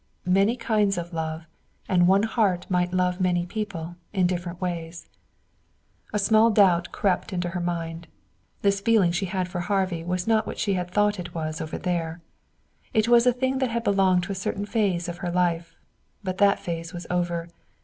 Many kinds of love; and one heart might love many people, in different ways. A small doubt crept into her mind. This feeling she had for Harvey was not what she had thought it was over there. It was a thing that had belonged to a certain phase of her life. But that phase was over.